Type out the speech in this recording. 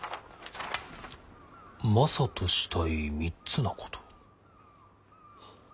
「マサとしたい３つのこと。